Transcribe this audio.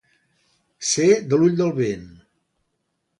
Ser de l'ull del vent.